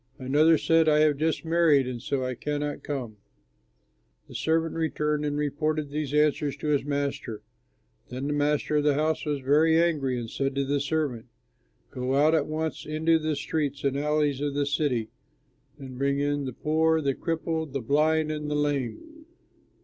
Another said, 'I have just married and so I cannot come.' "The servant returned and reported these answers to his master. Then the master of the house was angry and said to his servant, 'Go out at once into the streets and alleys of the city, and bring in the poor, the crippled, the blind, and the lame.'